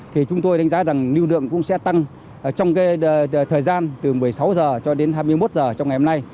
thì chúng tôi đánh giá rằng lưu lượng cũng sẽ tăng trong thời gian từ một mươi sáu h cho đến hai mươi một h trong ngày hôm nay